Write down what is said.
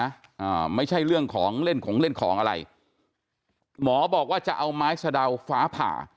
อ่าไม่ใช่เรื่องของเล่นของเล่นของอะไรหมอบอกว่าจะเอาไม้สะดาวฟ้าผ่า